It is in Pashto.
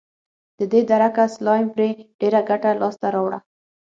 له دې درکه سلایم پرې ډېره ګټه لاسته راوړه.